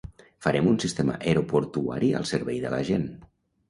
farem un sistema aeroportuari al servei de la gent